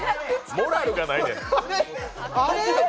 モラルがないねん。